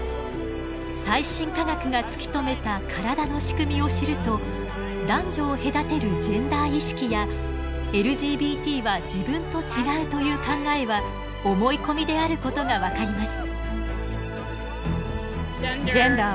最新科学が突き止めた体の仕組みを知ると男女を隔てるジェンダー意識やＬＧＢＴは自分と違うという考えは思い込みであることが分かります。